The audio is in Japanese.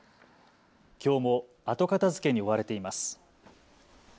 きょうも後片づけに追われています。